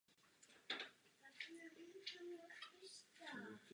Olešnice se stala střediskem vyhledávaným návštěvníky Orlických hor.